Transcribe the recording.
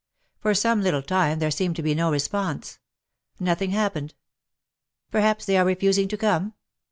For some little time there seemed to be no response. Nothing happened. " Perhaps they are refusing to come?"